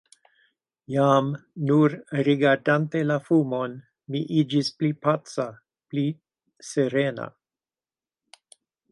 Jam, nur rigardante la fumon, mi iĝis pli paca, pli serena.